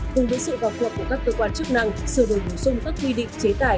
cùng với sự vào cuộc của các cơ quan chức năng sửa đổi bổ sung các quy định chế tài